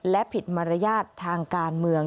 และผิดมารยาททางการเมือง